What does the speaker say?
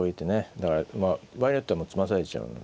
だからまあ場合によってはもう詰まされちゃうので。